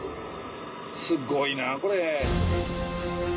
すごいなこれ。